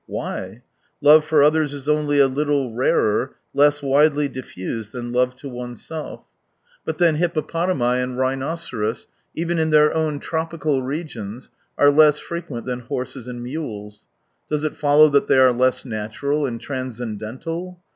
Why ? Love for others is only a little rarer, less widely diffused than love to oneself. But then hippopotami 136 and rhinoceros, even in their own tropical regions, are less frequent than horses and mules. Does it follow that they are less natural and transcendental